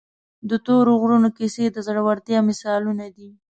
د تورې غرونو کیسې د زړورتیا مثالونه دي.